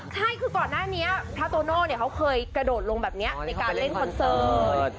ใช่คือก่อนหน้านี้พระโตโน่เขาเคยกระโดดลงแบบนี้ในการเล่นคอนเสิร์ต